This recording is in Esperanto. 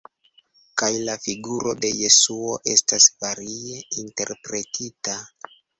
Kaj la figuro de Jesuo estas varie interpretita.